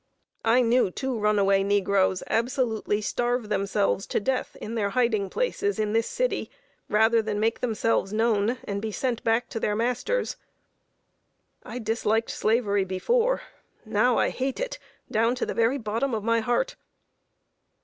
I knew two runaway negroes absolutely starve themselves to death in their hiding places in this city, rather than make themselves known, and be sent back to their masters. I disliked Slavery before; now I hate it, down to the very bottom of my heart."